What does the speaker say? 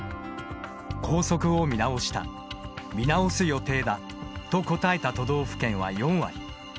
校則を見直した、見直す予定だと答えた都道府県は４割。